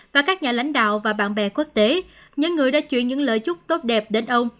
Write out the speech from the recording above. và các nhà lãnh đạo và bạn bè quốc tế những người đã truyền những lời chúc tốt đẹp đến ông